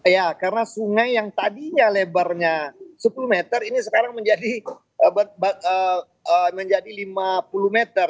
ya karena sungai yang tadinya lebarnya sepuluh meter ini sekarang menjadi lima puluh meter